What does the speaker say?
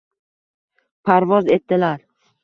parvoz etdilar.